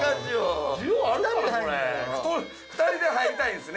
２人で入りたいんすね。